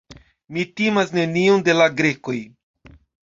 Mi timas nenion de la Grekoj.